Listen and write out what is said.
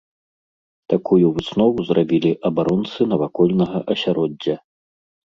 Такую выснову зрабілі абаронцы навакольнага асяроддзя.